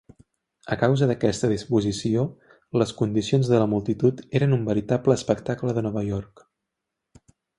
A causa d'aquesta disposició, les condicions de la multitud eren un veritable espectacle de Nova York.